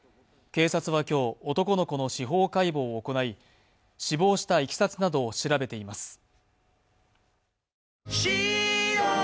警察は今日、男の子の司法解剖を行い、死亡したいきさつなどを調べています。